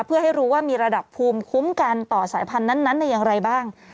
เพื่อให้รู้ว่ามีระดับภูมิคุ้มกันต่อสายพันธุ์นั้นอย่างไรบ้าง